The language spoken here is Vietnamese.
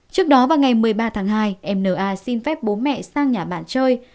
trước đó vào ngày một mươi ba tháng hai em na xin phép bố mẹ sang nhà bạn chơi